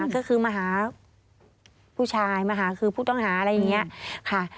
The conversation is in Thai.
ก็คือมาหาผู้ชายมาหาคือผู้ต้องหาอะไรอย่างนี้ค่ะ